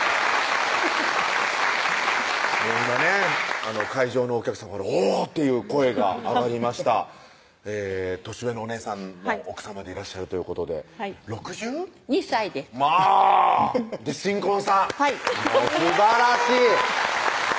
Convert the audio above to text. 今ね会場のお客さまから「おぉ」という声が上がりました年上のお姉さんの奥さまでいらっしゃるということで６０６２歳ですまぁ！で新婚さんはいすばらしい！